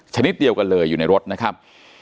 ชนิดเดียวกันเลยอยู่ในรถนะครับ